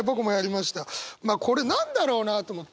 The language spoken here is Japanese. まあこれ何だろうなと思って。